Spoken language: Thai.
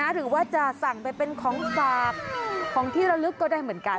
หรือว่าจะสั่งไปเป็นของฝากของที่ระลึกก็ได้เหมือนกัน